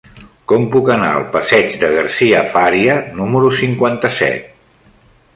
Com puc anar al passeig de Garcia Fària número cinquanta-set?